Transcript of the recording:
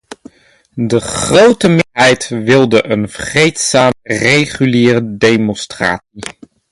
De grote meerderheid wilde een vreedzame, reguliere demonstratie.